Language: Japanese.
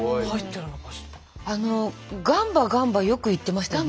あの「ガンバガンバ」よく言ってましたよね。